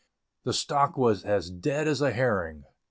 The stock was as "dead as a herring!"